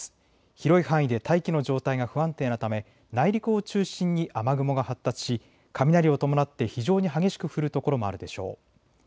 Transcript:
広い範囲で大気の状態が不安定なため、内陸を中心に雨雲が発達し、雷を伴って非常に激しく降る所もあるでしょう。